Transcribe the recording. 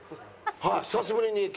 はい久しぶりに。